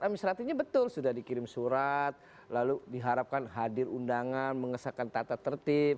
administratifnya betul sudah dikirim surat lalu diharapkan hadir undangan mengesahkan tata tertib